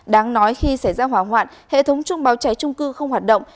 đáng nói khi xảy ra hỏa hoạn hệ thống chuông báo cháy trung cư không hoạt động